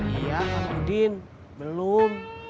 iya bang udin belum